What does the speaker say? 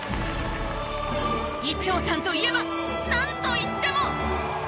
伊調さんといえばなんといっても。